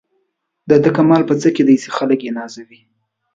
د ده کمال په څه کې دی چې خلک یې نازوي.